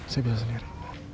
saya bisa sendiri